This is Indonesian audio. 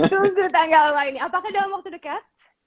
tunggu tanggal lainnya apakah dalam waktu dekat